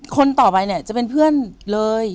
คนต่อไปเนี่ยจะเป็นเพื่อนเลย